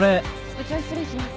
部長失礼します。